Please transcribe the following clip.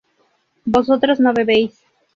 vosotros no bebéis